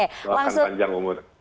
selamat panjang umur